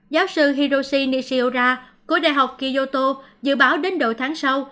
giáo sư hiroshi nishiura của đại học kyoto dự báo đến đội tháng sau